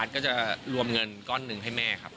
ก็จะรวมเงินก้อนหนึ่งให้แม่ครับ